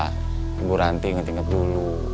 ibu ranti inget inget dulu